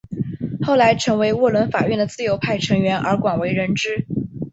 后来成为沃伦法院的自由派成员而广为人知。